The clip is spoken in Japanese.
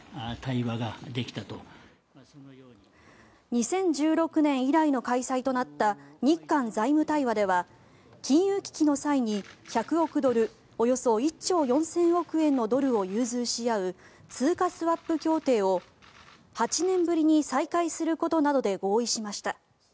２０１６年以来の開催となった日韓財務対話では金融危機の際に１００億ドルおよそ１兆４０００億円のドルを融通し合う通貨スワップ協定を８年ぶりに再開することなどで合意しました。